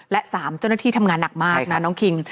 และ๓เจ้าหน้าที่ทำงานหนักมากนะน้องคิง